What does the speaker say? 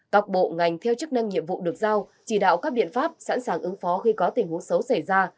các bộ ngành theo chức năng nhiệm vụ được giao chỉ đạo các biện pháp sẵn sàng ứng phó khi có tình huống xấu xảy ra